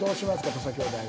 土佐兄弟は。